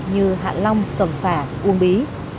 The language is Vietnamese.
như hạ long cẩm phả uông bí